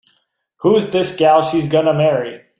Who's this gal she's gonna marry?